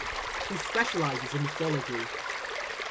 He specializes in ethology.